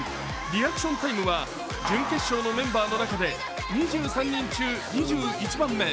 リアクションタイムは準決勝のメンバーの中で２３人中２１番目。